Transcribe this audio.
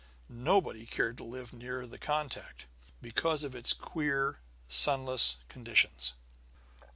Nobody cared to live near the contact, because of its queer, sunless conditions.